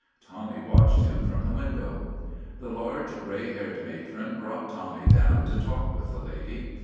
Tommy watched him from the window. The large, gray haired matron brought Tommy down to talk with the lady.